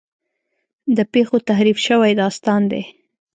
د پېښو تحریف شوی داستان دی.